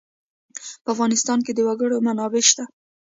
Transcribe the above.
په افغانستان کې د وګړي منابع شته.